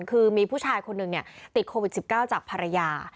คือมีผู้ชายคนหนึ่งติดโควิด๑๙จากภรรยา